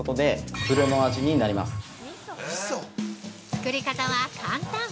◆作り方は簡単！